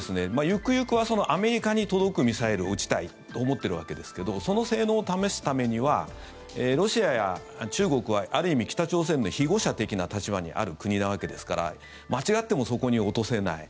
行く行くはアメリカに届くミサイルを撃ちたいと思ってるわけですけどその性能を試すためにはロシアや中国は、ある意味北朝鮮の庇護者的な立場にある国なわけですから間違ってもそこに落とせない。